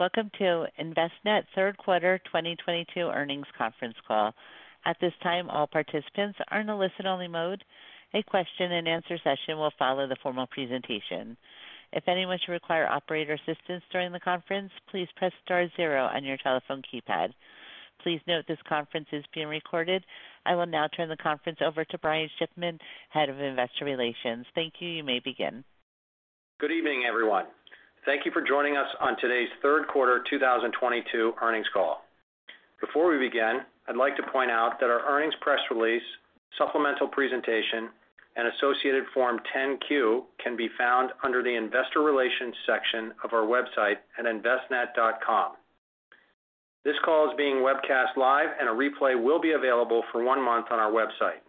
Welcome to Envestnet third quarter 2022 earnings conference call. At this time all participants are in a listen-only mode, a question and answer session will follow the formal presentation. If anyone should require operator assistance during the conferrence please press star zero on your telephone keypad. Please note this conferrence is being recorded. I will now turn the conference over to Brian Shipman, Head of Investor Relations. Thank you. You may begin. Good evening, everyone. Thank you for joining us on today's third quarter 2022 earnings call. Before we begin, I'd like to point out that our earnings press release, supplemental presentation, and associated Form 10-Q can be found under the investor relations section of our website at envestnet.com. This call is being webcast live, and a replay will be available for one month on our website.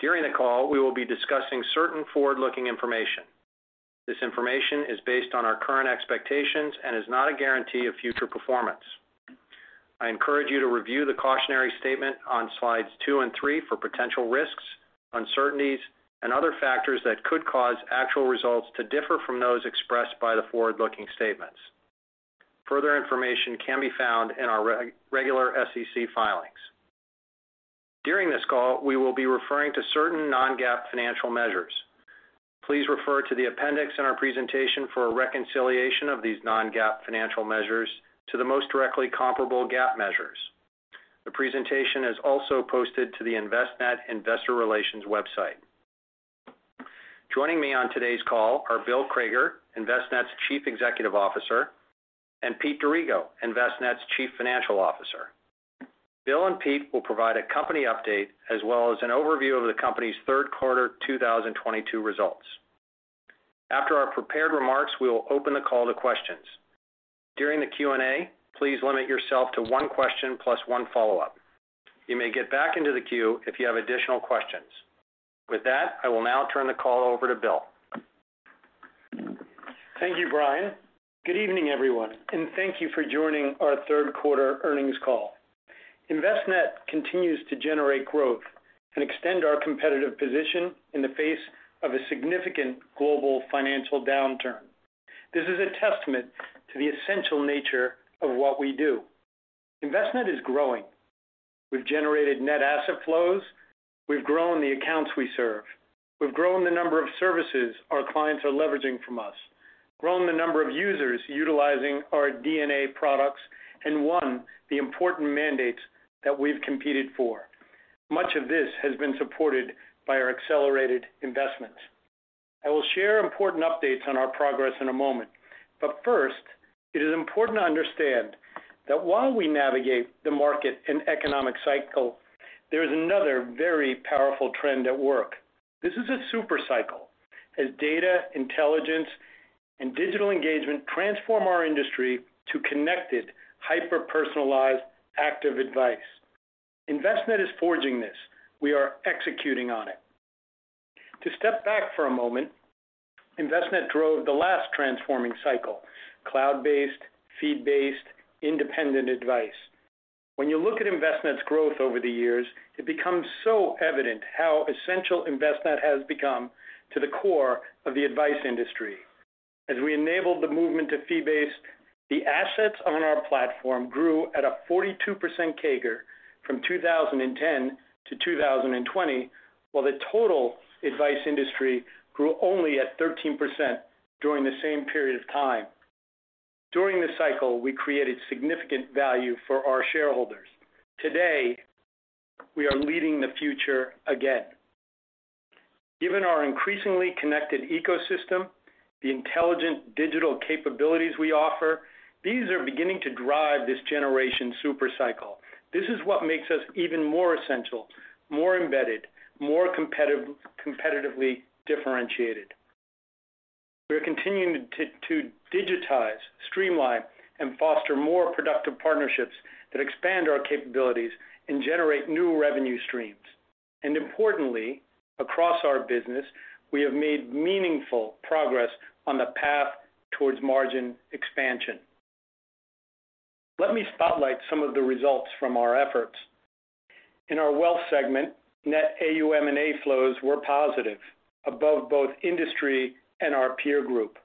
During the call, we will be discussing certain forward-looking information. This information is based on our current expectations and is not a guarantee of future performance. I encourage you to review the cautionary statement on slides two and three for potential risks, uncertainties, and other factors that could cause actual results to differ from those expressed by the forward-looking statements. Further information can be found in our regular SEC filings. During this call, we will be referring to certain non-GAAP financial measures. Please refer to the appendix in our presentation for a reconciliation of these non-GAAP financial measures to the most directly comparable GAAP measures. The presentation is also posted to the Envestnet investor relations website. Joining me on today's call are Bill Crager, Envestnet's Chief Executive Officer, and Pete D'Arrigo, Envestnet's Chief Financial Officer. Bill and Pete will provide a company update as well as an overview of the company's third quarter 2022 results. After our prepared remarks, we will open the call to questions. During the Q&A, please limit yourself to one question plus one follow-up. You may get back into the queue if you have additional questions. With that, I will now turn the call over to Bill. Thank you, Brian. Good evening, everyone, and thank you for joining our third quarter earnings call. Envestnet continues to generate growth and extend our competitive position in the face of a significant global financial downturn. This is a testament to the essential nature of what we do. Envestnet is growing. We've generated net asset flows. We've grown the accounts we serve. We've grown the number of services our clients are leveraging from us, grown the number of users utilizing our D&A products, and won the important mandates that we've competed for. Much of this has been supported by our accelerated investments. I will share important updates on our progress in a moment. First, it is important to understand that while we navigate the market and economic cycle, there is another very powerful trend at work. This is a super cycle as data, intelligence, and digital engagement transform our industry to connected, hyper-personalized, active advice. Envestnet is forging this. We are executing on it. To step back for a moment, Envestnet drove the last transforming cycle: cloud-based, fee-based, independent advice. When you look at Envestnet's growth over the years, it becomes so evident how essential Envestnet has become to the core of the advice industry. As we enabled the movement to fee-based, the assets on our platform grew at a 42% CAGR from 2010 to 2020, while the total advice industry grew only at 13% during the same period of time. During this cycle, we created significant value for our shareholders. Today, we are leading the future again. Given our increasingly connected ecosystem, the intelligent digital capabilities we offer, these are beginning to drive this generation super cycle. This is what makes us even more essential, more embedded, more competitively differentiated. We are continuing to digitize, streamline, and foster more productive partnerships that expand our capabilities and generate new revenue streams. Importantly, across our business, we have made meaningful progress on the path towards margin expansion. Let me spotlight some of the results from our efforts. In our Wealth Segment, net AUM and A flows were positive, above both industry and our peer group.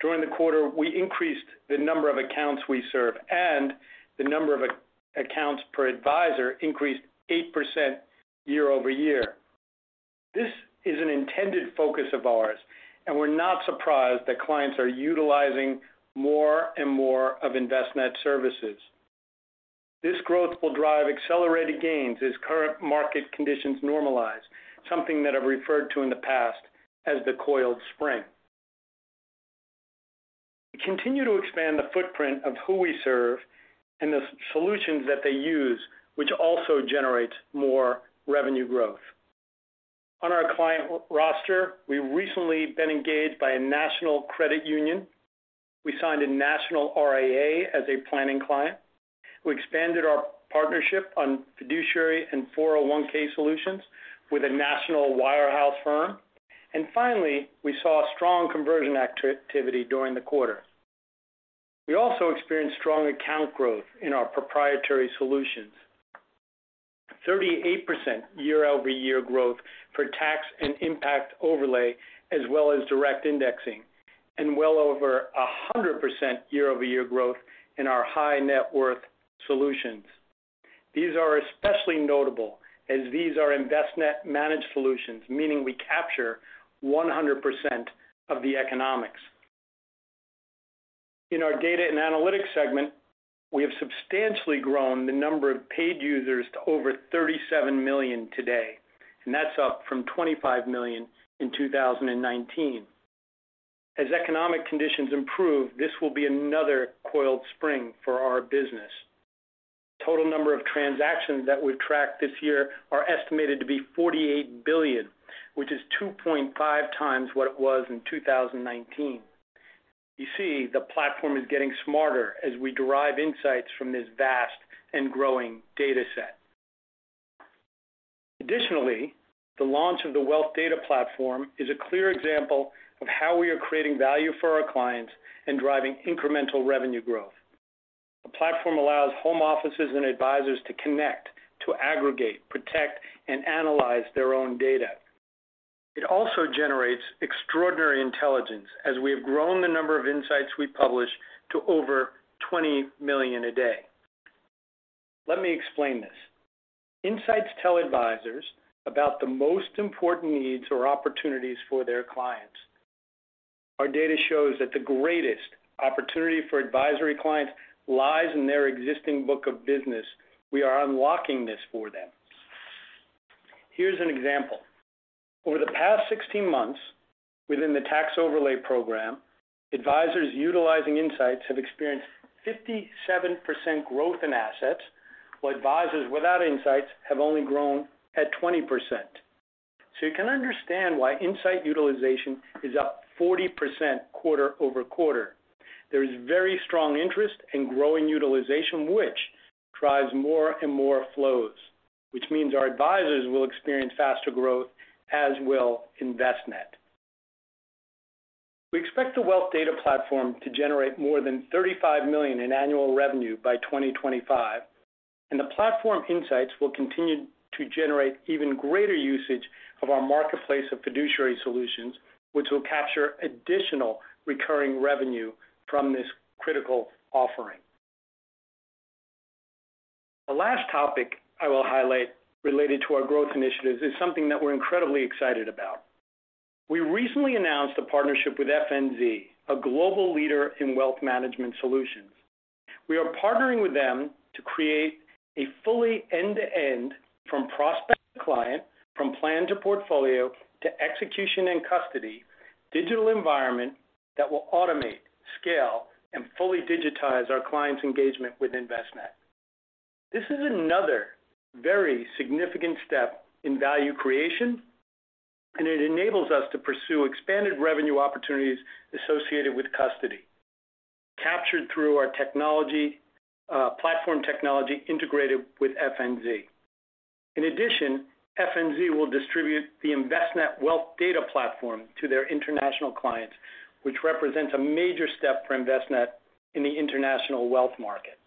During the quarter, we increased the number of accounts we serve, and the number of accounts per advisor increased 8% year-over-year. This is an intended focus of ours, and we're not surprised that clients are utilizing more and more of Envestnet services. This growth will drive accelerated gains as current market conditions normalize, something that I've referred to in the past as the coiled spring. We continue to expand the footprint of who we serve and the solutions that they use, which also generates more revenue growth. On our client roster, we recently been engaged by a national credit union. We signed a national RIA as a planning client. We expanded our partnership on fiduciary and 401K solutions with a national wirehouse firm. Finally, we saw strong conversion activity during the quarter. We also experienced strong account growth in our proprietary solutions. 38% year-over-year growth for tax and impact overlay, as well as direct indexing, and well over 100% year-over-year growth in our high net worth solutions. These are especially notable as these are Envestnet managed solutions, meaning we capture 100% of the economics. In our data and analytics segment, we have substantially grown the number of paid users to over 37 million today, and that's up from 25 million in 2019. As economic conditions improve, this will be another coiled spring for our business. Total number of transactions that we've tracked this year are estimated to be 48 billion, which is 2.5 times what it was in 2019. You see, the platform is getting smarter as we derive insights from this vast and growing data set. Additionally, the launch of the Wealth Data Platform is a clear example of how we are creating value for our clients and driving incremental revenue growth. The platform allows home offices and advisors to connect, to aggregate, protect, and analyze their own data. It also generates extraordinary intelligence as we have grown the number of insights we publish to over 20 million a day. Let me explain this. Insights tell advisors about the most important needs or opportunities for their clients. Our data shows that the greatest opportunity for advisory clients lies in their existing book of business. We are unlocking this for them. Here's an example. Over the past 16 months within the tax overlay program, advisors utilizing Insights have experienced 57% growth in assets, while advisors without Insights have only grown at 20%. You can understand why Insights utilization is up 40% quarter-over-quarter. There is very strong interest in growing utilization, which drives more and more flows, which means our advisors will experience faster growth, as will Envestnet. We expect the Wealth Data Platform to generate more than $35 million in annual revenue by 2025. The platform Insights will continue to generate even greater usage of our marketplace of fiduciary solutions, which will capture additional recurring revenue from this critical offering. The last topic I will highlight related to our growth initiatives is something that we're incredibly excited about. We recently announced a partnership with FNZ, a global leader in wealth management solutions. We are partnering with them to create a fully end-to-end from prospect to client, from plan to portfolio, to execution and custody, digital environment that will automate, scale, and fully digitize our clients' engagement with Envestnet. This is another very significant step in value creation. It enables us to pursue expanded revenue opportunities associated with custody, captured through our technology, platform technology integrated with FNZ. In addition, FNZ will distribute the Envestnet Wealth Data Platform to their international clients, which represents a major step for Envestnet in the international wealth market.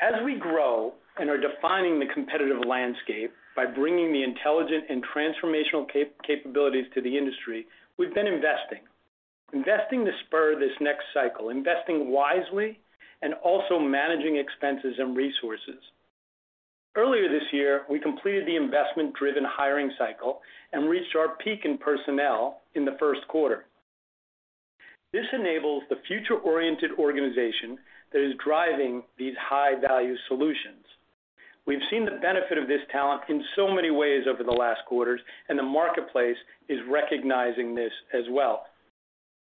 As we grow and are defining the competitive landscape by bringing the intelligent and transformational capabilities to the industry, we've been investing. Investing to spur this next cycle, investing wisely, and also managing expenses and resources. Earlier this year, we completed the investment-driven hiring cycle and reached our peak in personnel in the first quarter. This enables the future-oriented organization that is driving these high-value solutions. We've seen the benefit of this talent in so many ways over the last quarters, and the marketplace is recognizing this as well.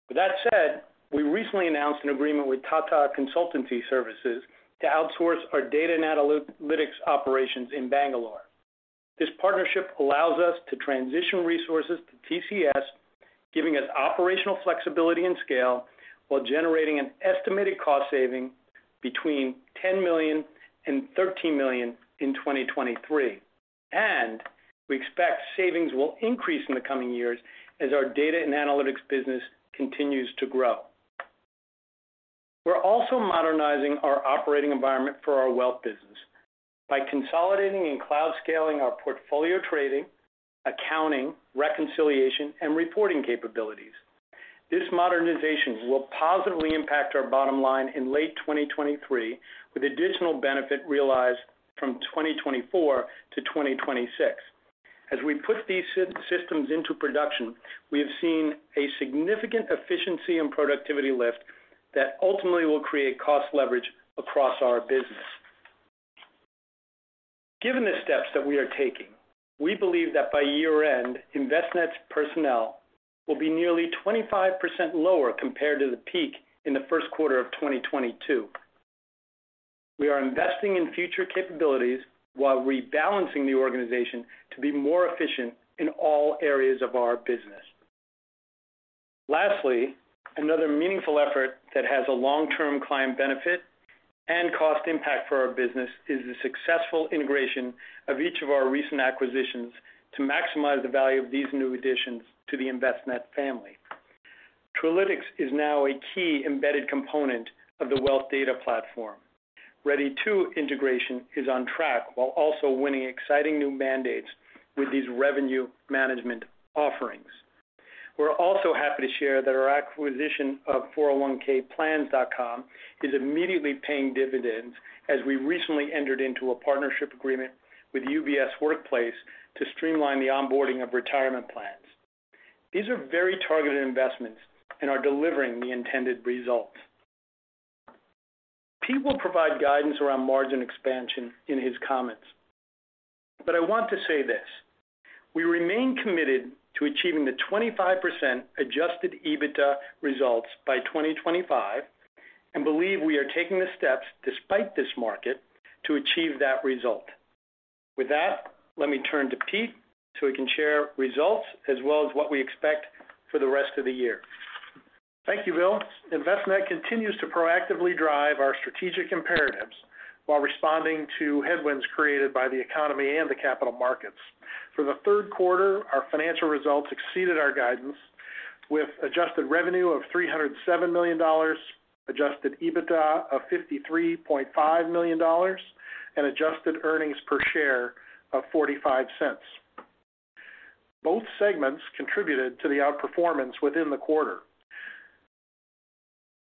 With that said, we recently announced an agreement with Tata Consultancy Services to outsource our data analytics operations in Bangalore. This partnership allows us to transition resources to TCS, giving us operational flexibility and scale while generating an estimated cost saving between $10 million and $13 million in 2023. We expect savings will increase in the coming years as our data and analytics business continues to grow. We're also modernizing our operating environment for our wealth business by consolidating and cloud scaling our portfolio trading, accounting, reconciliation, and reporting capabilities. This modernization will positively impact our bottom line in late 2023, with additional benefit realized from 2024 to 2026. As we put these systems into production, we have seen a significant efficiency and productivity lift that ultimately will create cost leverage across our business. Given the steps that we are taking, we believe that by year-end, Envestnet's personnel will be nearly 25% lower compared to the peak in the first quarter of 2022. We are investing in future capabilities while rebalancing the organization to be more efficient in all areas of our business. Lastly, another meaningful effort that has a long-term client benefit and cost impact for our business is the successful integration of each of our recent acquisitions to maximize the value of these new additions to the Envestnet family. Truelytics is now a key embedded component of the Wealth Data Platform. Redi2 integration is on track while also winning exciting new mandates with these revenue management offerings. We're also happy to share that our acquisition of 401kplans.com is immediately paying dividends as we recently entered into a partnership agreement with UBS Workplace to streamline the onboarding of retirement plans. These are very targeted investments and are delivering the intended results. Pete will provide guidance around margin expansion in his comments. I want to say this. We remain committed to achieving the 25% adjusted EBITDA results by 2025. We believe we are taking the steps despite this market to achieve that result. With that, let me turn to Pete, so he can share results as well as what we expect for the rest of the year. Thank you, Bill. Envestnet continues to proactively drive our strategic imperatives while responding to headwinds created by the economy and the capital markets. For the third quarter, our financial results exceeded our guidance with adjusted revenue of $307 million, adjusted EBITDA of $53.5 million, and adjusted earnings per share of $0.45. Both segments contributed to the outperformance within the quarter.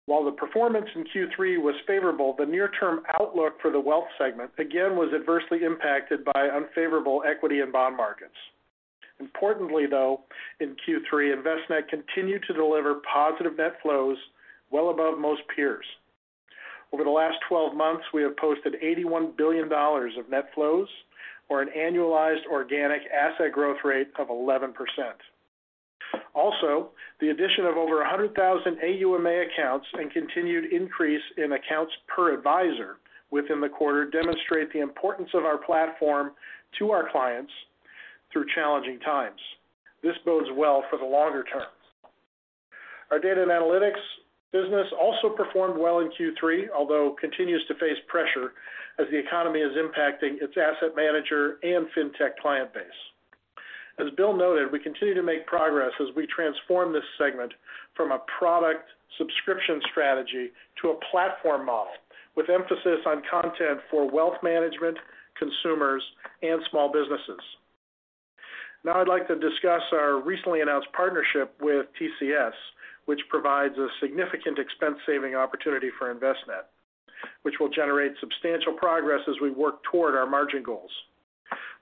While the performance in Q3 was favorable, the near-term outlook for the wealth segment again was adversely impacted by unfavorable equity and bond markets. Importantly, though, in Q3, Envestnet continued to deliver positive net flows well above most peers. Over the last 12 months, we have posted $81 billion of net flows or an annualized organic asset growth rate of 11%. The addition of over 100,000 AUMA accounts and continued increase in accounts per advisor within the quarter demonstrate the importance of our platform to our clients through challenging times. This goes well for the longer term. Our Data and Analytics business also performed well in Q3, although continues to face pressure as the economy is impacting its asset manager and fintech client base. As Bill noted, we continue to make progress as we transform this segment from a product subscription strategy to a platform model, with emphasis on content for wealth management, consumers, and small businesses. I'd like to discuss our recently announced partnership with TCS, which provides a significant expense saving opportunity for Envestnet, which will generate substantial progress as we work toward our margin goals.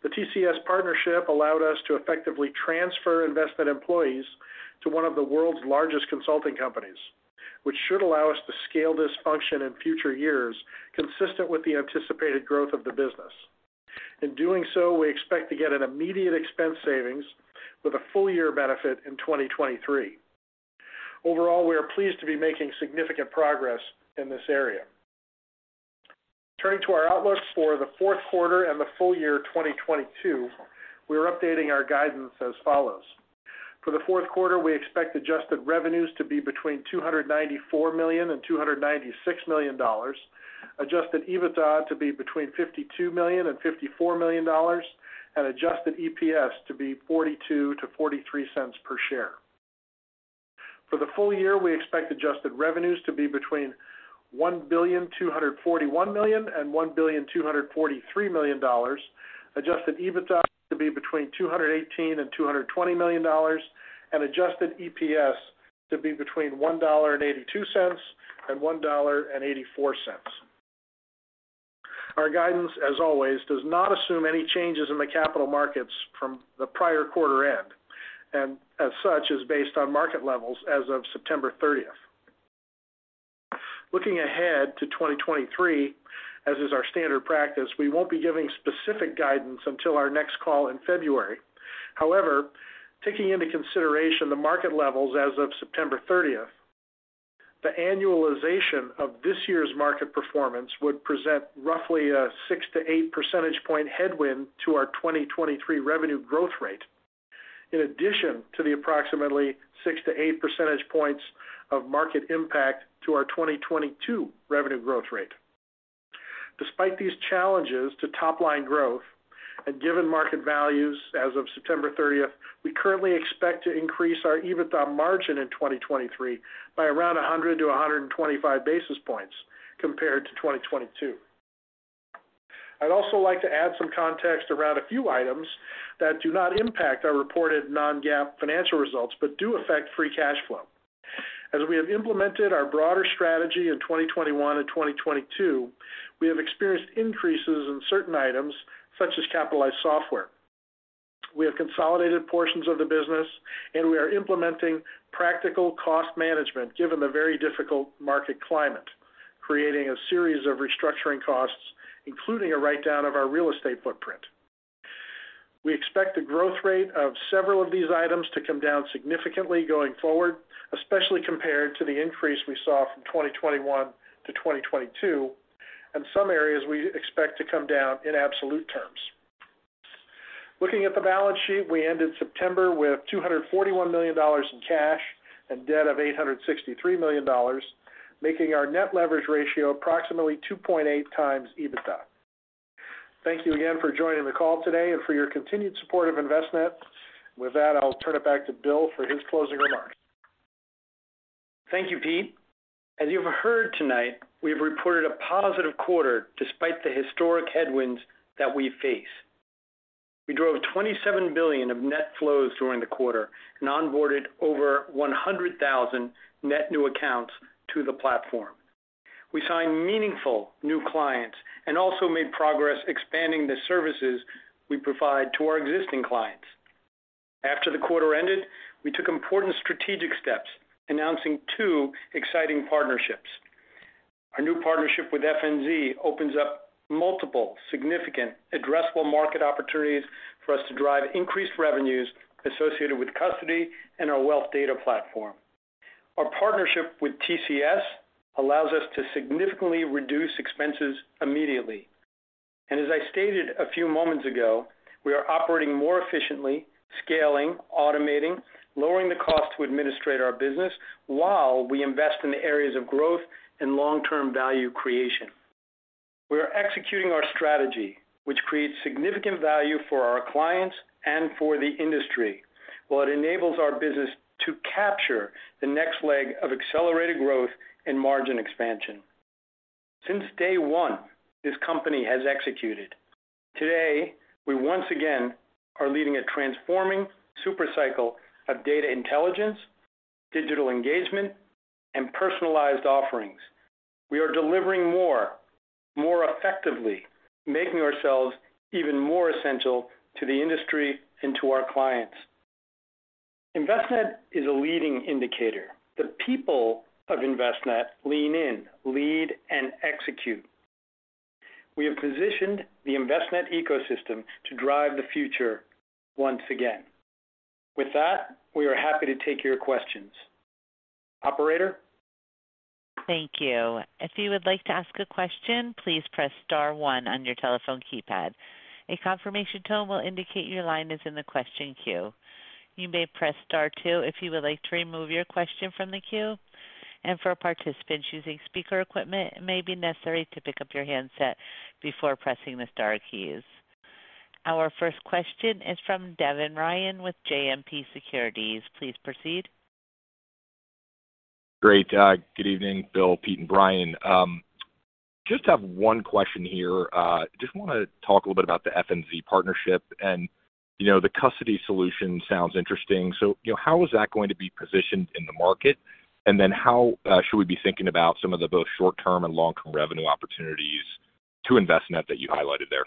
The TCS partnership allowed us to effectively transfer Envestnet employees to one of the world's largest consulting companies, which should allow us to scale this function in future years consistent with the anticipated growth of the business. In doing so, we expect to get an immediate expense savings with a full year benefit in 2023. Overall, we are pleased to be making significant progress in this area. Turning to our outlook for the fourth quarter and the full year 2022, we are updating our guidance as follows. For the fourth quarter, we expect adjusted revenues to be between $294 million and $296 million, adjusted EBITDA to be between $52 million and $54 million, and adjusted EPS to be $0.42 to $0.43 per share. For the full year, we expect adjusted revenues to be between $1.241 billion and $1.243 billion, adjusted EBITDA to be between $218 million and $220 million, and adjusted EPS to be between $1.82 and $1.84. Our guidance, as always, does not assume any changes in the capital markets from the prior quarter end, and as such, is based on market levels as of September 30th. Looking ahead to 2023, as is our standard practice, we won't be giving specific guidance until our next call in February. However, taking into consideration the market levels as of September 30th, the annualization of this year's market performance would present roughly a 6 to 8 percentage point headwind to our 2023 revenue growth rate, in addition to the approximately 6 to 8 percentage points of market impact to our 2022 revenue growth rate. Despite these challenges to top line growth and given market values as of September 30th, we currently expect to increase our EBITDA margin in 2023 by around 100 to 125 basis points compared to 2022. I'd also like to add some context around a few items that do not impact our reported non-GAAP financial results but do affect free cash flow. As we have implemented our broader strategy in 2021 and 2022, we have experienced increases in certain items such as capitalized software. We have consolidated portions of the business, and we are implementing practical cost management given the very difficult market climate, creating a series of restructuring costs, including a write-down of our real estate footprint. We expect the growth rate of several of these items to come down significantly going forward, especially compared to the increase we saw from 2021 to 2022, and some areas we expect to come down in absolute terms. Looking at the balance sheet, we ended September with $241 million in cash and debt of $863 million, making our net leverage ratio approximately 2.8x EBITDA. Thank you again for joining the call today and for your continued support of Envestnet. With that, I'll turn it back to Bill for his closing remarks. Thank you, Pete. As you've heard tonight, we have reported a positive quarter despite the historic headwinds that we face. We drove $27 billion of net flows during the quarter and onboarded over 100,000 net new accounts to the platform. We signed meaningful new clients and also made progress expanding the services we provide to our existing clients. After the quarter ended, we took important strategic steps, announcing two exciting partnerships. Our new partnership with FNZ opens up multiple significant addressable market opportunities for us to drive increased revenues associated with custody and our Wealth Data Platform. Our partnership with TCS allows us to significantly reduce expenses immediately. As I stated a few moments ago, we are operating more efficiently, scaling, automating, lowering the cost to administrate our business while we invest in the areas of growth and long-term value creation. We are executing our strategy, which creates significant value for our clients and for the industry, while it enables our business to capture the next leg of accelerated growth and margin expansion. Since day one, this company has executed. Today, we once again are leading a transforming super cycle of data intelligence, digital engagement, and personalized offerings. We are delivering more, more effectively, making ourselves even more essential to the industry and to our clients. Envestnet is a leading indicator. The people of Envestnet lean in, lead, and execute. We have positioned the Envestnet ecosystem to drive the future once again. With that, we are happy to take your questions. Operator. Thank you. If you would like to ask a question, please press star one on your telephone keypad. A confirmation tone will indicate your line is in the question queue. You may press star two if you would like to remove your question from the queue. For participants using speaker equipment, it may be necessary to pick up your handset before pressing the star keys. Our first question is from Devin Ryan with JMP Securities. Please proceed. Great. good evening, Bill, Pete, and Brian. Just have one question here. Just wanna talk a little bit about the FNZ partnership and, you know, the custody solution sounds interesting. You know, how is that going to be positioned in the market? Then how should we be thinking about some of the both short-term and long-term revenue opportunities to Envestnet that you highlighted there?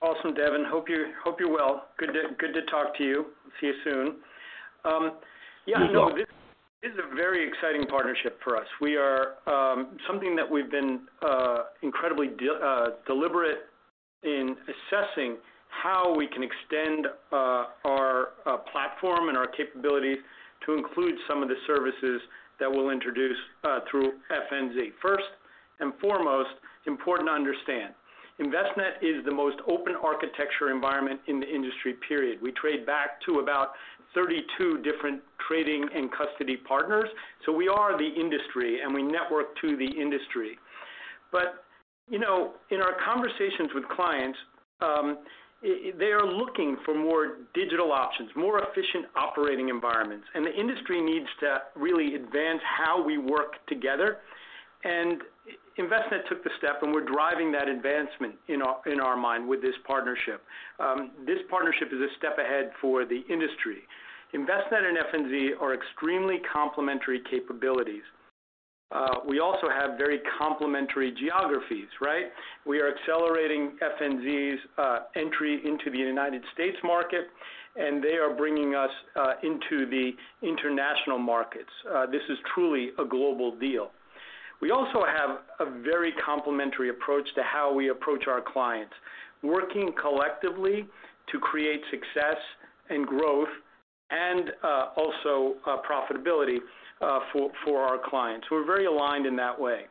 Awesome, Devin. Hope you're well. Good to talk to you. See you soon. Yeah. You as well. No, this is a very exciting partnership for us. We are something that we've been incredibly deliberate in assessing how we can extend our platform and our capabilities to include some of the services that we'll introduce through FNZ. First and foremost, important to understand, Envestnet is the most open architecture environment in the industry, period. We trade back to about 32 different trading and custody partners, so we are the industry, and we network to the industry. You know, in our conversations with clients, they are looking for more digital options, more efficient operating environments. The industry needs to really advance how we work together. Envestnet took the step, and we're driving that advancement in our, in our mind with this partnership. This partnership is a step ahead for the industry. Envestnet and FNZ are extremely complementary capabilities. We also have very complementary geographies, right? We are accelerating FNZ's entry into the United States market, and they are bringing us into the international markets. This is truly a global deal. We also have a very complementary approach to how we approach our clients, working collectively to create success and growth and also profitability for our clients. We're very aligned in that way.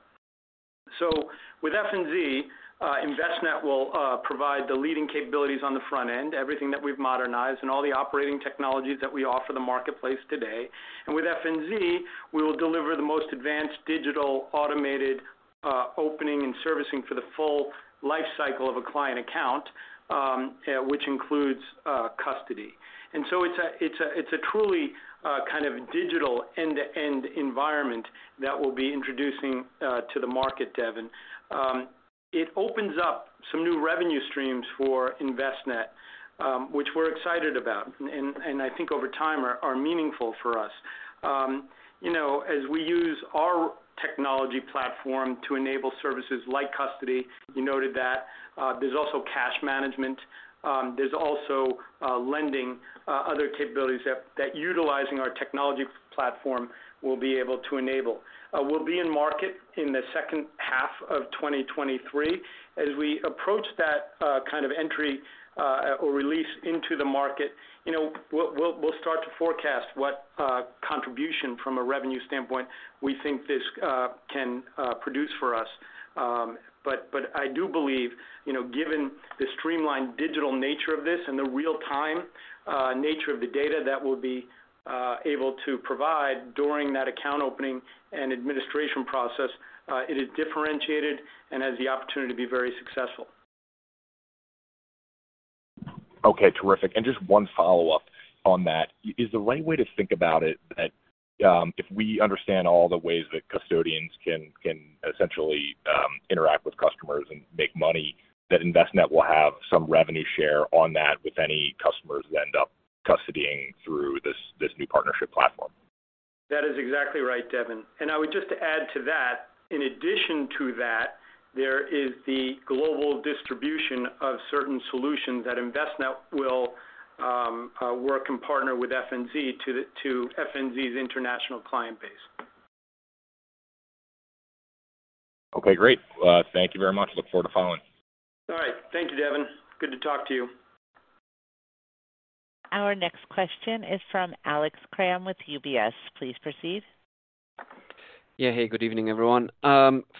With FNZ, Envestnet will provide the leading capabilities on the front end, everything that we've modernized and all the operating technologies that we offer the marketplace today. With FNZ, we will deliver the most advanced digital automated opening and servicing for the full lifecycle of a client account, which includes custody. It's a truly kind of digital end-to-end environment that we'll be introducing to the market, Devin. It opens up some new revenue streams for Envestnet, which we're excited about and I think over time are meaningful for us. You know, as we use our technology platform to enable services like custody, you noted that, there's also cash management, there's also lending, other capabilities that utilizing our technology platform we'll be able to enable. We'll be in market in the second half of 2023. As we approach that, kind of entry or release into the market, you know, we'll start to forecast what contribution from a revenue standpoint we think this can produce for us. I do believe, you know, given the streamlined digital nature of this and the real-time nature of the data that we'll be able to provide during that account opening and administration process, it is differentiated and has the opportunity to be very successful. Okay, terrific. Just one follow-up on that. Is the right way to think about it that, if we understand all the ways that custodians can essentially interact with customers and make money, that Envestnet will have some revenue share on that with any customers that end up custodying through this new partnership platform? That is exactly right, Devin. I would just add to that, in addition to that, there is the global distribution of certain solutions that Envestnet will work and partner with FNZ to FNZ's international client base. Okay, great. Thank you very much. Look forward to following. All right. Thank you, Devin. Good to talk to you. Our next question is from Alex Kramm with UBS. Please proceed. Yeah. Hey, good evening, everyone.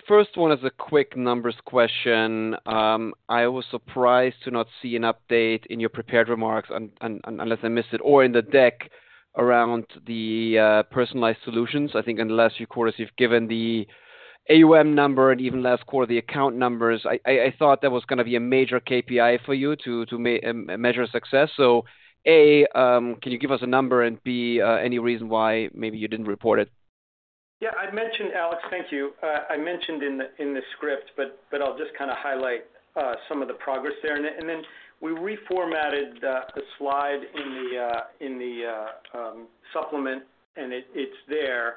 First one is a quick numbers question. I was surprised to not see an update in your prepared remarks unless I missed it, or in the deck around the personalized solutions. I think in the last few quarters you've given the AUM number, and even last quarter, the account numbers. I thought that was gonna be a major KPI for you to measure success. A, can you give us a number, and B, any reason why maybe you didn't report it? Yeah, I mentioned, Alex, thank you. I mentioned in the script, but I'll just kind of highlight some of the progress there. Then we reformatted the slide in the supplement, and it's there.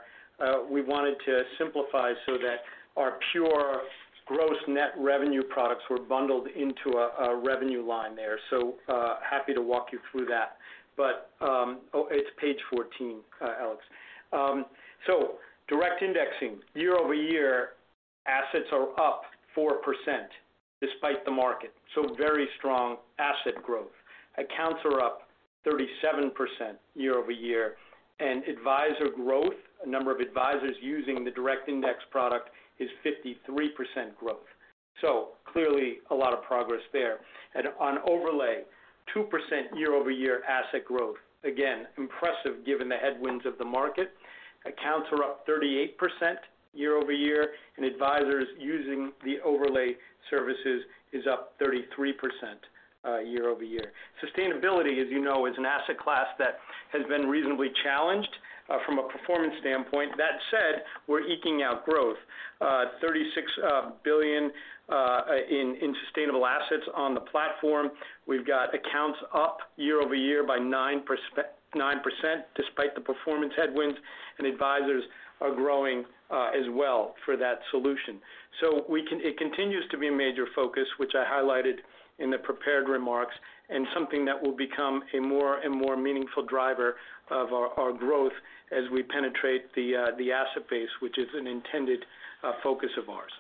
We wanted to simplify so that our pure gross net revenue products were bundled into a revenue line there. Happy to walk you through that. It's page 14, Alex. Direct indexing. Year-over-year assets are up 4% despite the market, very strong asset growth. Accounts are up 37% year-over-year. Advisor growth, number of advisors using the direct index product, is 53% growth. Clearly a lot of progress there. On overlay, 2% year-over-year asset growth. Again, impressive given the headwinds of the market. Accounts are up 38% year-over-year, and advisors using the overlay services is up 33% year-over-year. Sustainability, as you know, is an asset class that has been reasonably challenged from a performance standpoint. That said, we're eking out growth, $36 billion in sustainable assets on the platform. We've got accounts up year-over-year by 9% despite the performance headwinds, and advisors are growing as well for that solution. It continues to be a major focus, which I highlighted in the prepared remarks, and something that will become a more and more meaningful driver of our growth as we penetrate the asset base, which is an intended focus of ours.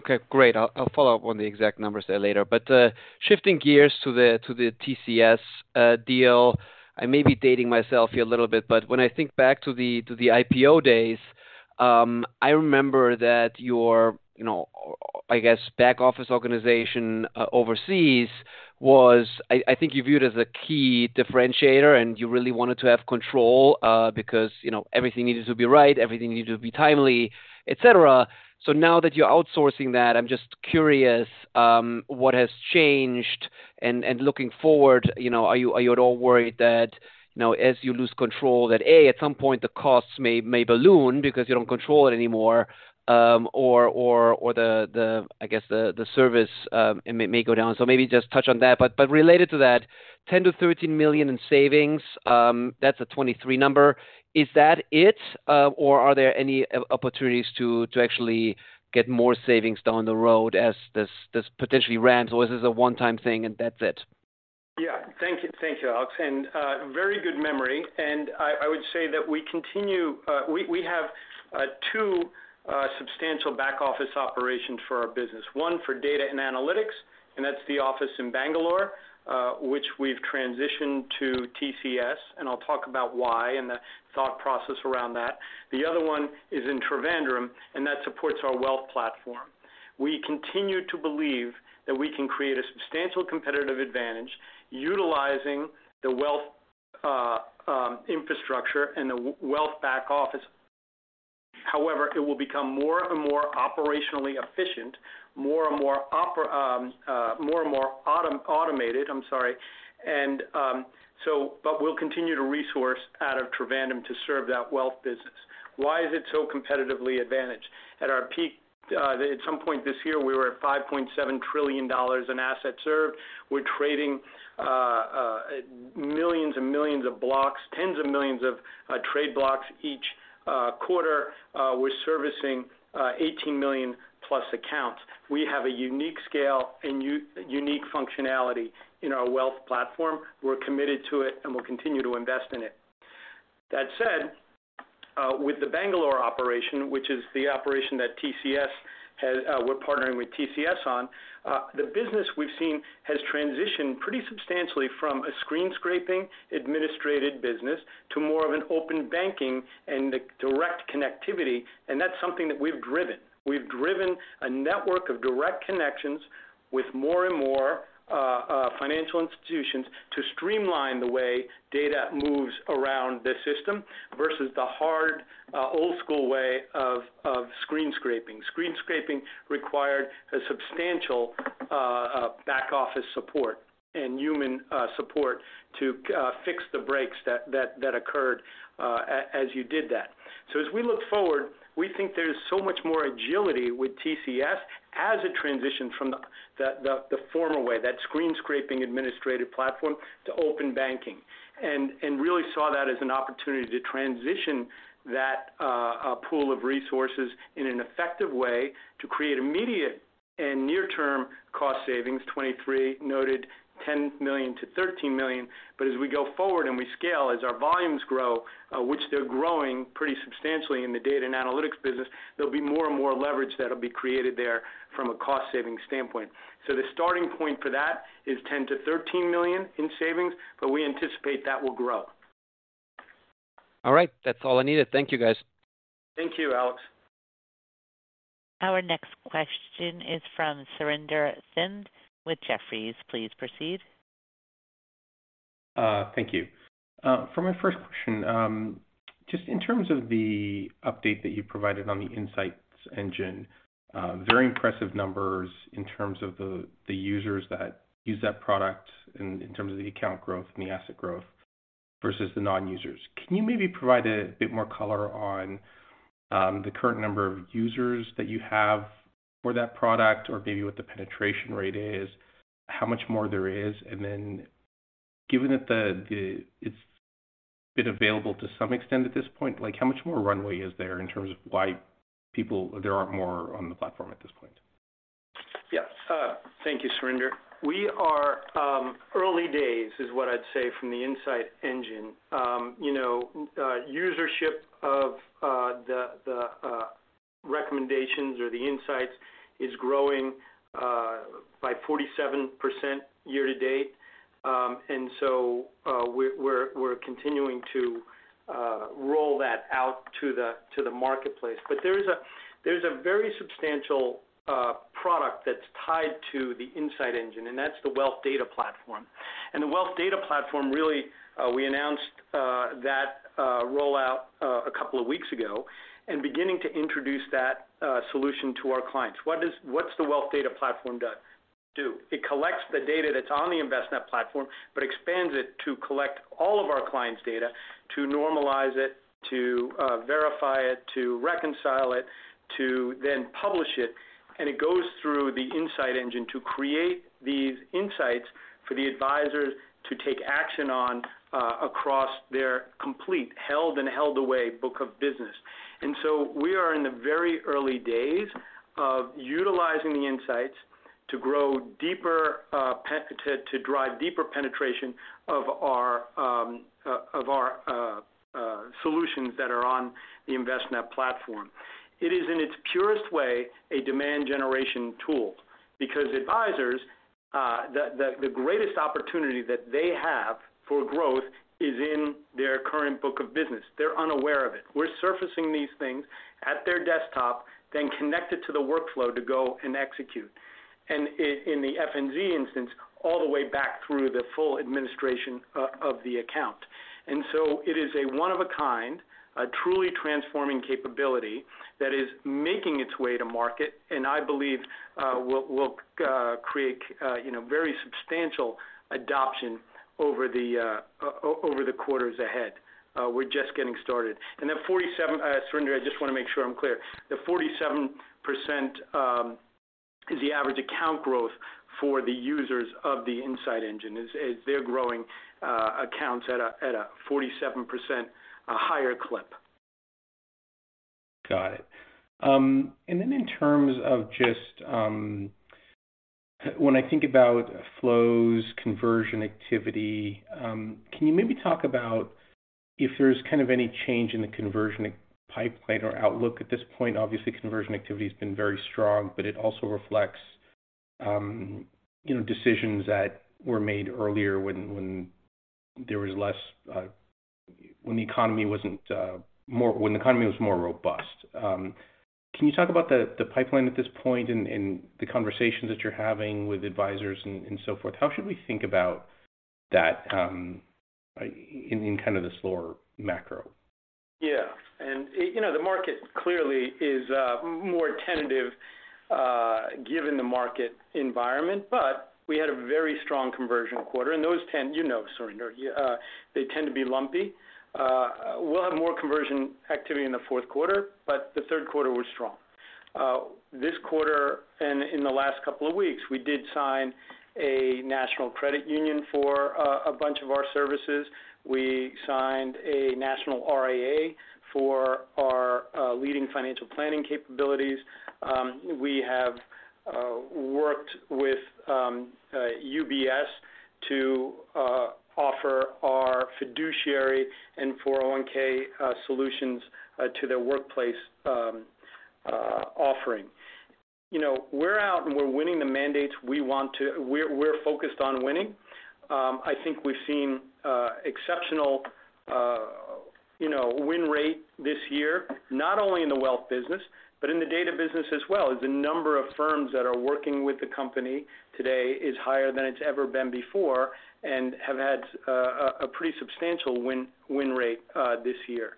Okay. Great. I'll follow up on the exact numbers there later. Shifting gears to the TCS deal. I may be dating myself here a little bit, but when I think back to the IPO days, I remember that your, you know, I guess back office organization overseas was, I think you viewed as a key differentiator and you really wanted to have control because, you know, everything needed to be right, everything needed to be timely, et cetera. Now that you're outsourcing that, I'm just curious, what has changed? Looking forward, you know, are you at all worried that, you know, as you lose control that A, at some point the costs may balloon because you don't control it anymore, or the, I guess the service, it may go down. Maybe just touch on that. Related to that, $10 million to $13 million in savings, that's a 2023 number. Is that it, or are there any opportunities to actually get more savings down the road as this potentially ramps, or is this a one-time thing and that's it? Yeah. Thank you. Thank you, Alex. Very good memory. I would say that we have two substantial back office operations for our business. One for Data and Analytics, that's the office in Bangalore, which we've transitioned to TCS. I'll talk about why and the thought process around that. The other one is in Trivandrum, that supports our wealth platform. We continue to believe that we can create a substantial competitive advantage utilizing the wealth infrastructure and the wealth back office. However, it will become more and more operationally efficient, more and more automated. I'm sorry. We'll continue to resource out of Trivandrum to serve that wealth business. Why is it so competitively advantaged? At our peak, at some point this year we were at $5.7 trillion in assets served. We're trading millions and millions of blocks, tens of millions of trade blocks each quarter. We're servicing 18 million plus accounts. We have a unique scale and unique functionality in our wealth platform. We're committed to it, and we'll continue to invest in it. That said, with the Bangalore operation, which is the operation that TCS has, we're partnering with TCS on, the business we've seen has transitioned pretty substantially from a screen scraping, administrated business to more of an open banking and direct connectivity, and that's something that we've driven. We've driven a network of direct connections with more and more financial institutions to streamline the way data moves around the system versus the hard, old school way of screen scraping. Screen scraping required a substantial back office support and human support to fix the breaks that occurred as you did that. As we look forward, we think there's so much more agility with TCS as it transition from the former way, that screen scraping administrative platform, to open banking. Really saw that as an opportunity to transition that pool of resources in an effective way to create immediate and near-term cost savings, 2023 noted $10 million to $13 million. As we go forward and we scale, as our volumes grow, which they're growing pretty substantially in the data and analytics business, there'll be more and more leverage that'll be created there from a cost saving standpoint. The starting point for that is $10 million to $13 million in savings, but we anticipate that will grow. All right. That's all I needed. Thank you, guys. Thank you, Alex. Our next question is from Surinder Thind with Jefferies. Please proceed. Thank you. For my 1st question, just in terms of the update that you provided on the Insights Engine, very impressive numbers in terms of the users that use that product in terms of the account growth and the asset growth versus the non-users. Can you maybe provide a bit more color on the current number of users that you have for that product or maybe what the penetration rate is, how much more there is? Given that the it's been available to some extent at this point, like how much more runway is there in terms of why people there aren't more on the platform at this point? Yeah. Thank you, Surinder. We are early days, is what I'd say from the Insights Engine. You know, usership of the recommendations or the insights is growing by 47% year to date. We're continuing to roll that out to the marketplace. There is a very substantial product that's tied to the Insights Engine, and that's the Wealth Data Platform. The Wealth Data Platform, really, we announced that rollout a couple of weeks ago, and beginning to introduce that solution to our clients. What's the Wealth Data Platform do? It collects the data that's on the Envestnet platform, expands it to collect all of our clients' data to normalize it, to verify it, to reconcile it, to then publish it. It goes through the Insights Engine to create these insights for the advisors to take action on across their complete held and held away book of business. We are in the very early days of utilizing the Insights to grow deeper, to drive deeper penetration of our solutions that are on the Envestnet platform. It is in its purest way, a demand generation tool. Advisors, the greatest opportunity that they have for growth is in their current book of business. They're unaware of it. We're surfacing these things at their desktop, connect it to the workflow to go and execute. In the FNZ instance, all the way back through the full administration of the account. It is a one of a kind, a truly transforming capability that is making its way to market, and I believe, will create, you know, very substantial adoption over the quarters ahead. We're just getting started. That 47, Surinder, I just want to make sure I'm clear. The 47% is the average account growth for the users of the Insights Engine. They're growing accounts at a 47% higher clip. Got it. Then in terms of just, when I think about flows, conversion activity, can you maybe talk about if there's kind of any change in the conversion pipeline or outlook at this point? Obviously, conversion activity has been very strong, but it also reflects, you know, decisions that were made earlier when there was less, when the economy wasn't, when the economy was more robust. Can you talk about the pipeline at this point and the conversations that you're having with advisors and so forth? How should we think about that in kind of the slower macro? Yeah. You know, the market clearly is more tentative given the market environment, but we had a very strong conversion quarter, and those You know, Surinder, they tend to be lumpy. We'll have more conversion activity in the fourth quarter, but the third quarter was strong. This quarter and in the last couple of weeks, we did sign a national credit union for a bunch of our services. We signed a national RIA for our leading financial planning capabilities, we have worked with UBS to offer our fiduciary and 401K solutions to their workplace offering. You know, we're out and we're winning the mandates we want to. We're focused on winning. I think we've seen exceptional win rate this year, not only in the wealth business, but in the data business as well. The number of firms that are working with the company today is higher than it's ever been before, and have had a pretty substantial win rate this year.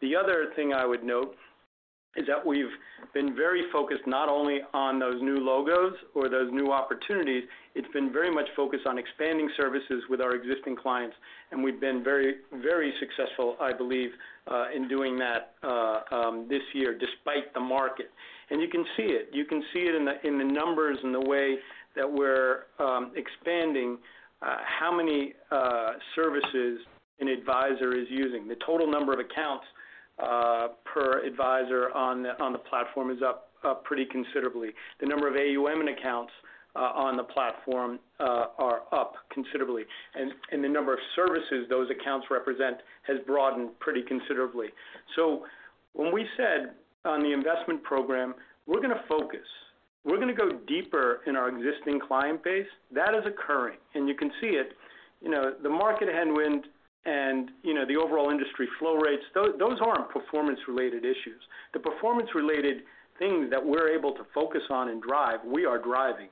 The other thing I would note is that we've been very focused, not only on those new logos or those new opportunities, it's been very much focused on expanding services with our existing clients, and we've been very, very successful, I believe, in doing that this year, despite the market. You can see it. You can see it in the numbers in the way that we're expanding how many services an advisor is using. The total number of accounts per advisor on the platform is up pretty considerably. The number of AUM in accounts on the platform are up considerably. The number of services those accounts represent has broadened pretty considerably. When we said on the investment program, we're gonna focus, we're gonna go deeper in our existing client base, that is occurring, and you can see it. You know, the market headwind and, you know, the overall industry flow rates, those aren't performance-related issues. The performance-related things that we're able to focus on and drive, we are driving.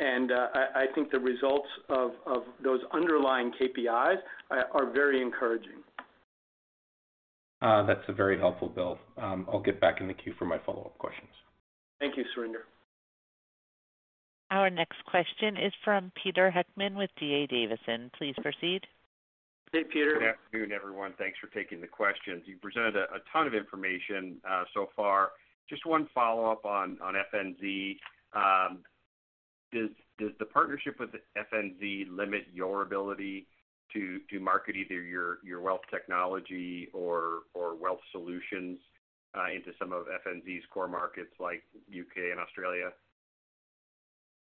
I think the results of those underlying KPIs are very encouraging. That's very helpful, Bill. I'll get back in the queue for my follow-up questions. Thank you, Surinder. Our next question is from Peter Heckmann with D.A. Davidson. Please proceed. Hey, Peter. Good afternoon, everyone. Thanks for taking the questions. You presented a ton of information so far. Just one follow-up on FNZ. Does the partnership with FNZ limit your ability to market either your wealth technology or wealth solutions into some of FNZ's core markets like U.K. and Australia?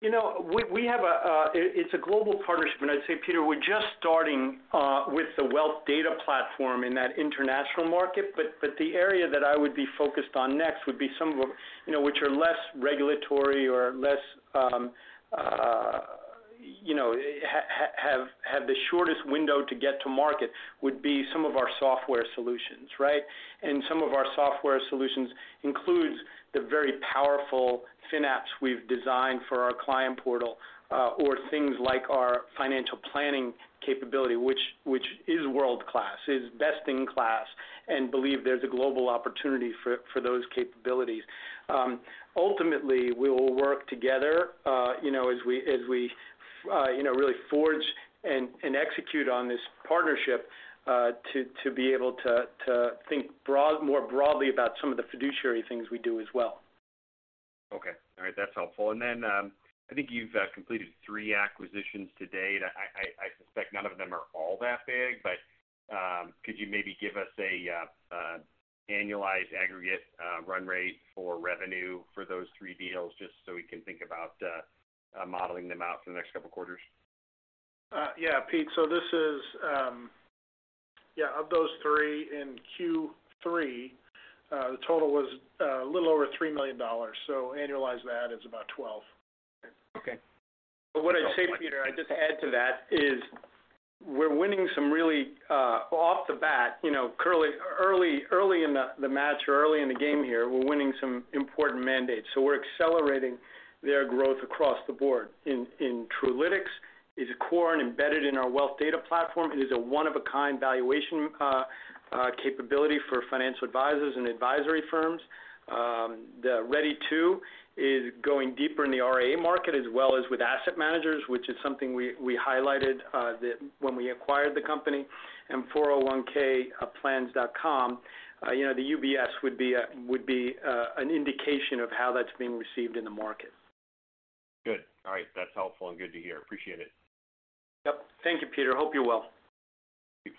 You know, we have a global partnership, and I'd say, Peter, we're just starting with the Wealth Data Platform in that international market, but the area that I would be focused on next would be some of you know, which are less regulatory or less, you know, have the shortest window to get to market, would be some of our software solutions, right? Some of our software solutions includes the very powerful FinApps we've designed for our client portal, or things like our financial planning capability, which is world-class, is best in class, and believe there's a global opportunity for those capabilities. Ultimately, we will work together, you know, as we, you know, really forge and execute on this partnership, to be able to think broad more broadly about some of the fiduciary things we do as well. Okay. All right. That's helpful. I think you've completed three acquisitions to date. I suspect none of them are all that big, but could you maybe give us a annualized aggregate run rate for revenue for those three deals, just so we can think about modeling them out for the next couple quarters? Yeah, Pete. This is, Yeah, of those three in Q3, the total was a little over $3 million. Annualize that, it's about $12 million. Okay. What I'd say, Peter, I'd just add to that is we're winning some really off the bat, you know, early in the match or early in the game here, we're winning some important mandates. We're accelerating their growth across the board. In Truelytics is core and embedded in our Wealth Data Platform. It is a one-of-a-kind valuation capability for financial advisors and advisory firms. The Redi2 is going deeper in the RIA market as well as with asset managers, which is something we highlighted when we acquired the company. 401kplans.com, you know, the UBS would be an indication of how that's being received in the market. Good. All right. That's helpful and good to hear. Appreciate it. Yep. Thank you, Peter. Hope you're well. Thank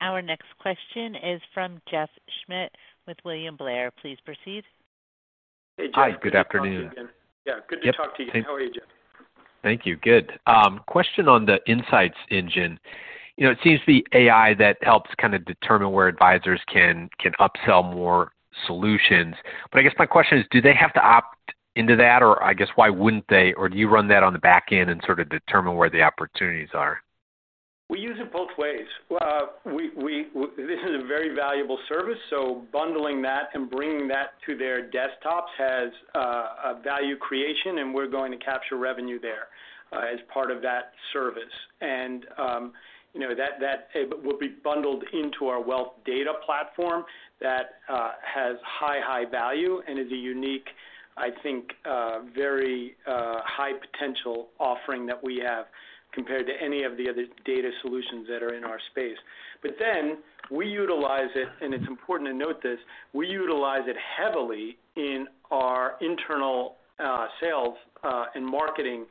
you. Our next question is from Jeff Schmitt with William Blair. Please proceed. Hey, Jeff. Good to talk to you again. Hi. Good afternoon. Yeah, good to talk to you. Yep. How are you, Jeff? Thank you. Good. Question on the insights engine. You know, it seems to be AI that helps kind of determine where advisors can upsell more solutions. I guess my question is, do they have to opt into that, or I guess why wouldn't they? Or do you run that on the back end and sort of determine where the opportunities are? We use it both ways. Well, we This is a very valuable service, bundling that and bringing that to their desktops has a value creation, and we're going to capture revenue there as part of that service. You know, that it will be bundled into our Wealth Data Platform that has high value and is a unique, I think, very high potential offering that we have compared to any of the other data solutions that are in our space. We utilize it, and it's important to note this, we utilize it heavily in our internal sales and marketing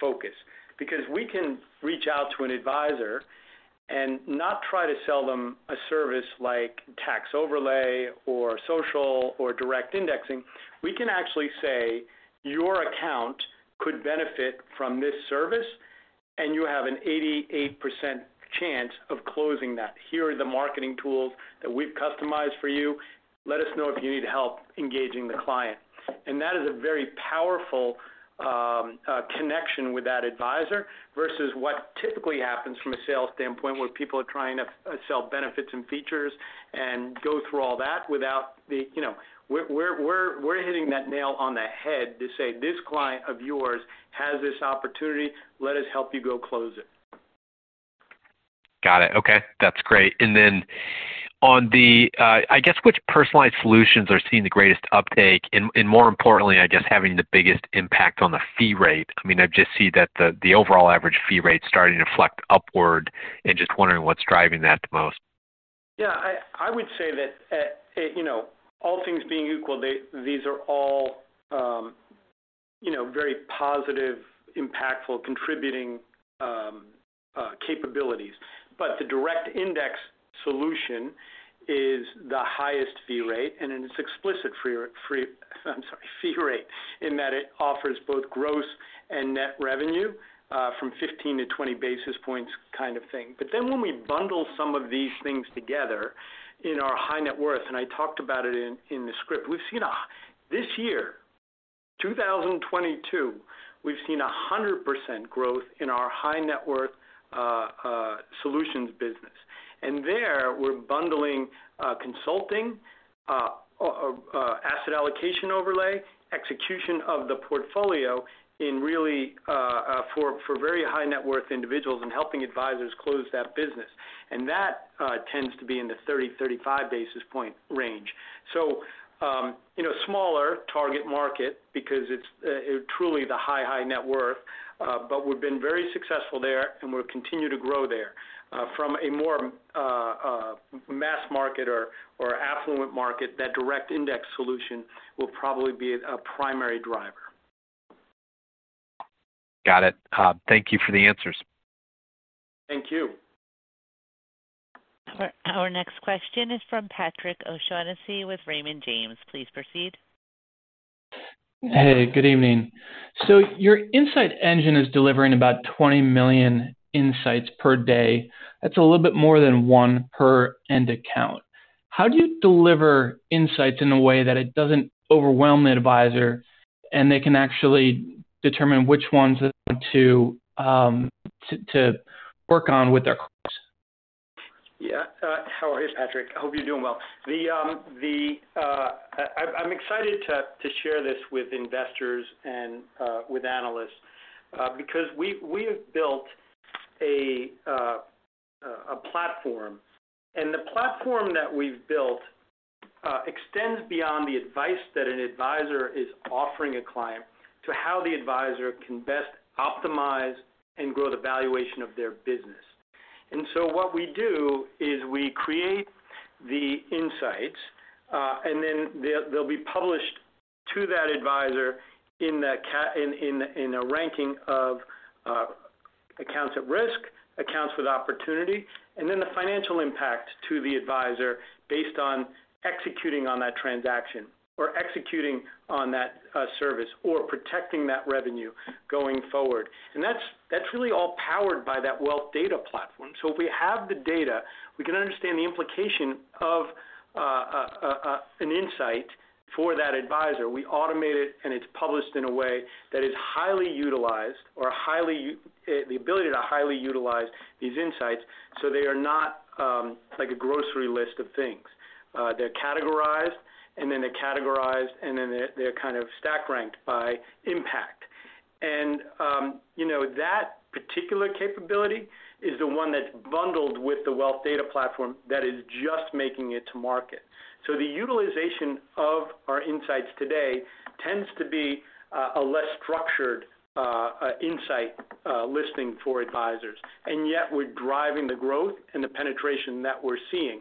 focus because we can reach out to an advisor and not try to sell them a service like tax overlay or social or direct indexing. We can actually say, "Your account could benefit from this service, and you have an 88% chance of closing that. Here are the marketing tools that we've customized for you. Let us know if you need help engaging the client." That is a very powerful connection with that advisor versus what typically happens from a sales standpoint, where people are trying to sell benefits and features and go through all that. You know, we're hitting that nail on the head to say, "This client of yours has this opportunity. Let us help you go close it. Got it. Okay. That's great. Then on the, I guess which personalized solutions are seeing the greatest uptake and more importantly, I guess, having the biggest impact on the fee rate? I mean, I just see that the overall average fee rate starting to flex upward and just wondering what's driving that the most. I would say that, it, you know, all things being equal, these are all, you know, very positive, impactful, contributing capabilities. The direct index solution is the highest fee rate, and it's explicit fee rate in that it offers both gross and net revenue from 15 to 20 basis points kind of thing. When we bundle some of these things together in our high-net-worth, and I talked about it in the script. This year, 2022, we've seen 100% growth in our high-net-worth solutions business. There, we're bundling consulting, asset allocation overlay, execution of the portfolio, and really, for very high-net-worth individuals and helping advisors close that business. That tends to be in the 30, 35 basis point range. You know, smaller target market because it's truly the high net worth, but we've been very successful there, and we'll continue to grow there. From a more mass market or affluent market, that direct index solution will probably be a primary driver. Got it. Thank you for the answers. Thank you. Our next question is from Patrick O'Shaughnessy with Raymond James. Please proceed. Hey, good evening. Your Insights Engine is delivering about 20 million insights per day. That's a little bit more than one per end account. How do you deliver insights in a way that it doesn't overwhelm the advisor, and they can actually determine which ones to work on with their clients? How are you, Patrick? Hope you're doing well. I'm excited to share this with investors and with analysts because we have built a platform, and the platform that we've built extends beyond the advice that an advisor is offering a client to how the advisor can best optimize and grow the valuation of their business. What we do is we create the insights, and then they'll be published to that advisor in a ranking of accounts at risk, accounts with opportunity, and then the financial impact to the advisor based on executing on that transaction or executing on that service or protecting that revenue going forward. That's really all powered by that Wealth Data Platform. If we have the data, we can understand the implication of an insight for that advisor. We automate it, and it's published in a way that is highly utilized or highly the ability to highly utilize these insights, so they are not like a grocery list of things. They're categorized, and then they're kind of stack ranked by impact. You know, that particular capability is the one that's bundled with the Wealth Data Platform that is just making it to market. The utilization of our insights today tends to be a less structured insight listing for advisors. Yet, we're driving the growth and the penetration that we're seeing.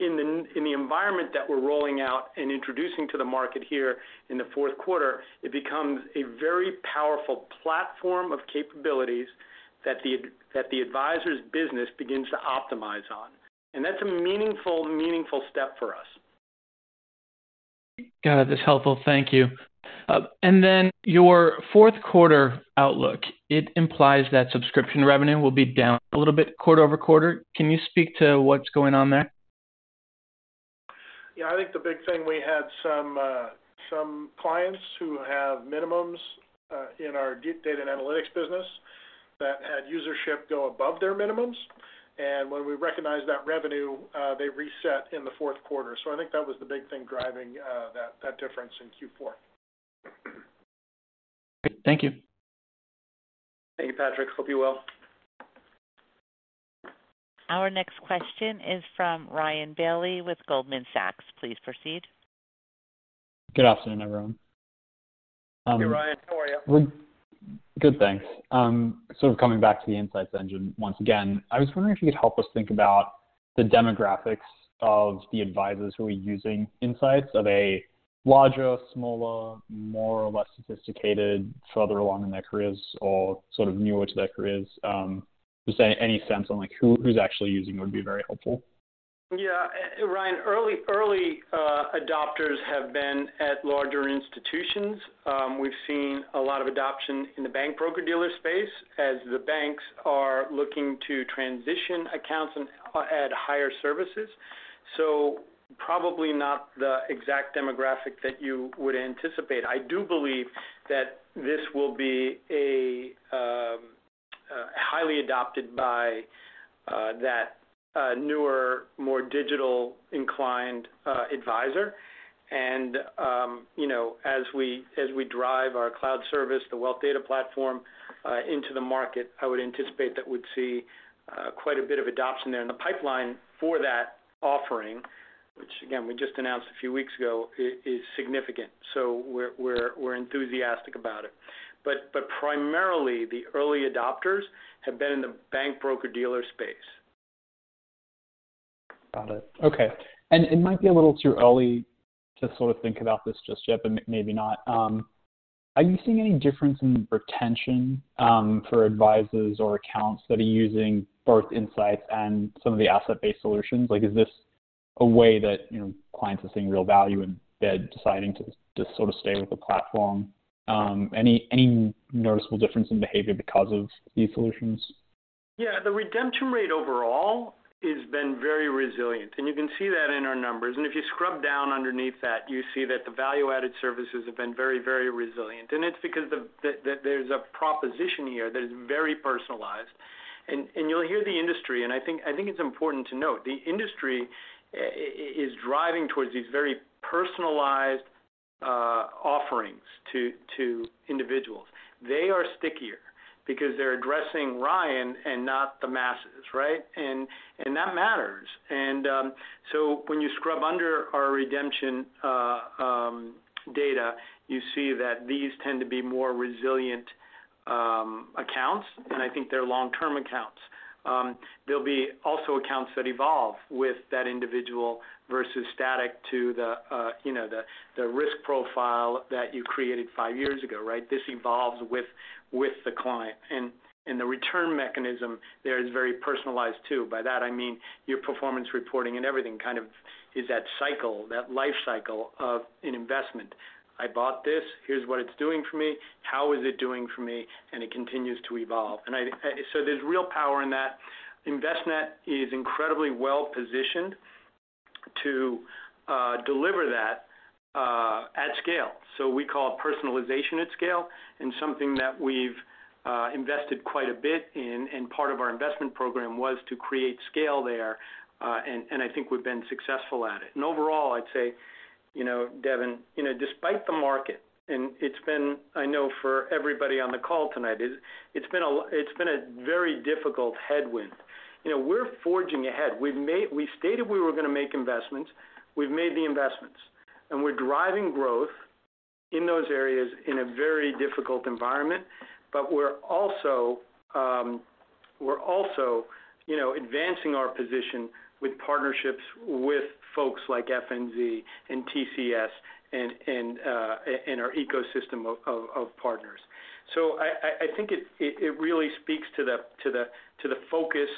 In the environment that we're rolling out and introducing to the market here in the fourth quarter, it becomes a very powerful platform of capabilities that the advisor's business begins to optimize on. That's a meaningful step for us. Got it. That's helpful. Thank you. Then your fourth quarter outlook, it implies that subscription revenue will be down a little bit quarter-over-quarter. Can you speak to what's going on there? Yeah. I think the big thing, we had some clients who have minimums, in our deep data and analytics business that had usership go above their minimums. When we recognized that revenue, they reset in the fourth quarter. I think that was the big thing driving that difference in Q4. Great. Thank you. Thank you, Patrick. Hope you're well. Our next question is from Ryan Bailey with Goldman Sachs. Please proceed. Good afternoon, everyone. Hey, Ryan. How are you? We're good, thanks. Sort of coming back to the Insights Engine once again. I was wondering if you could help us think about the demographics of the advisors who are using Insights. Are they larger, smaller, more or less sophisticated, further along in their careers or sort of newer to their careers? Just any sense on like who's actually using would be very helpful. Yeah. Ryan, early adopters have been at larger institutions. We've seen a lot of adoption in the bank broker-dealer space as the banks are looking to transition accounts and add higher services. Probably not the exact demographic that you would anticipate. I do believe that this will be a highly adopted by that newer, more digital-inclined advisor. You know, as we drive our cloud service, the Wealth Data Platform, into the market, I would anticipate that we'd see quite a bit of adoption there. The pipeline for that offering, which again, we just announced a few weeks ago, is significant. We're enthusiastic about it. But primarily, the early adopters have been in the bank broker-dealer space. Got it. Okay. It might be a little too early to sort of think about this just yet, maybe not. Are you seeing any difference in retention for advisors or accounts that are using both Insights and some of the asset-based solutions? Like, is this a way that, you know, clients are seeing real value and they're deciding to sort of stay with the platform? Any noticeable difference in behavior because of these solutions? The redemption rate overall has been very resilient, and you can see that in our numbers. If you scrub down underneath that, you see that the value-added services have been very, very resilient, and it's because there's a proposition here that is very personalized. You'll hear the industry, I think it's important to note, the industry is driving towards these very personalized offerings to individuals. They are stickier because they're addressing Ryan and not the masses, right? That matters. When you scrub under our redemption data, you see that these tend to be more resilient accounts, and I think they're long-term accounts. There'll be also accounts that evolve with that individual versus static to the risk profile that you created five years ago, right? This evolves with the client. The return mechanism there is very personalized too. By that, I mean your performance reporting and everything kind of is that cycle, that life cycle of an investment. I bought this. Here's what it's doing for me. How is it doing for me? It continues to evolve. There's real power in that. Envestnet is incredibly well-positioned to deliver that at scale. We call it personalization at scale and something that we've invested quite a bit in, part of our investment program was to create scale there. I think we've been successful at it. Overall, I'd say, you know, Devin, you know, despite the market, and it's been, I know for everybody on the call tonight, it's been a very difficult headwind. You know, we're forging ahead. We stated we were gonna make investments. We've made the investments, and we're driving growth in those areas in a very difficult environment. We're also, you know, advancing our position with partnerships with folks like FNZ and TCS and our ecosystem of partners. I think it really speaks to the focus,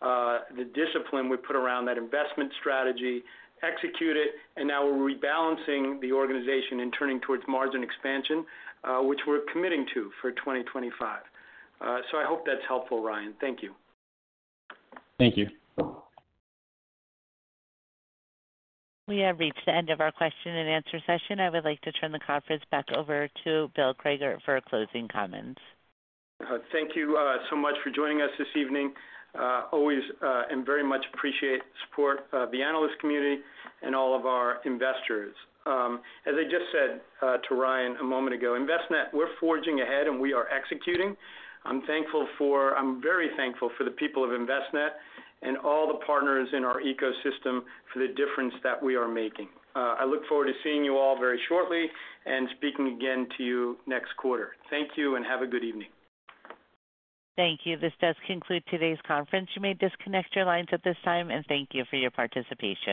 the discipline we put around that investment strategy, execute it, and now we're rebalancing the organization and turning towards margin expansion, which we're committing to for 2025. I hope that's helpful, Ryan. Thank you. Thank you. We have reached the end of our question and answer session. I would like to turn the conference back over to Bill Crager for closing comments. Thank you so much for joining us this evening. Always and very much appreciate the support of the analyst community and all of our investors. As I just said to Ryan a moment ago, Envestnet, we're forging ahead, and we are executing. I'm very thankful for the people of Envestnet and all the partners in our ecosystem for the difference that we are making. I look forward to seeing you all very shortly and speaking again to you next quarter. Thank you, have a good evening. Thank you. This does conclude today's conference. You may disconnect your lines at this time, and thank you for your participation.